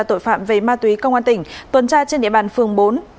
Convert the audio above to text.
tội phạm về ma túy công an tỉnh tuần tra trên địa bàn phường bốn